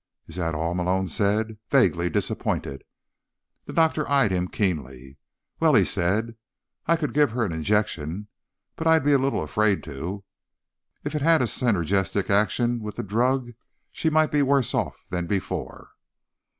"Is that all?" Malone said, vaguely disappointed. The doctor eyed him keenly. "Well," he said, "I could give her an injection, but I'd be a little afraid to. If it had a synergistic action with the drug, she might be worse off than before."